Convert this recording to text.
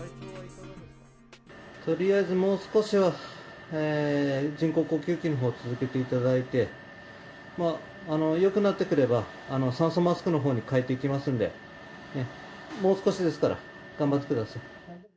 とりあえずもう少しは人工呼吸器のほう続けていただいて、よくなってくれば酸素マスクのほうに替えていきますので、もう少しですから、頑張ってください。